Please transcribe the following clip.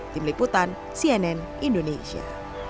tim liputan cnn indonesia